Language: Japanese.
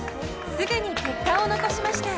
［すぐに結果を残しました］